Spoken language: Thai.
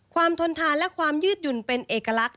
ทนทานและความยืดหยุ่นเป็นเอกลักษณ